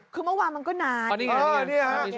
คือเมื่อวานมันก็นาน